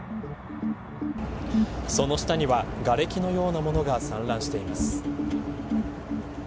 その下には、がれきのような物が散乱しています。